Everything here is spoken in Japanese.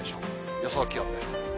予想気温です。